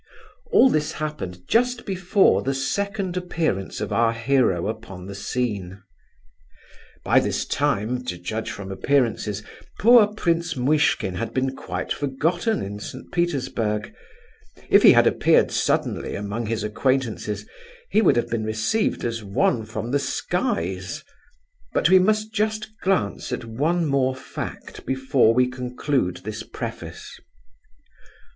All this happened just before the second appearance of our hero upon the scene. By this time, to judge from appearances, poor Prince Muishkin had been quite forgotten in St. Petersburg. If he had appeared suddenly among his acquaintances, he would have been received as one from the skies; but we must just glance at one more fact before we conclude this preface.